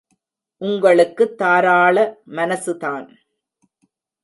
உங்களுக்கு தாராள மனசுதான்.